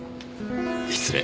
失礼。